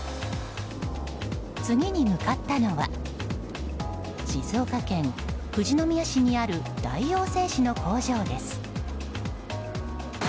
次に向かったのは静岡県富士宮市にある大王製紙の工場です。